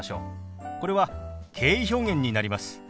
これは敬意表現になります。